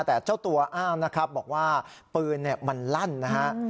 แต่เจ้าตัวอ้างนะครับบอกว่าปืนมันลั่นนะฮะ